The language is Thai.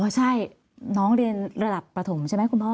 ใช่น้องเรียนระดับประถมใช่ไหมคุณพ่อ